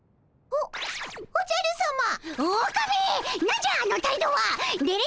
おおじゃるさま。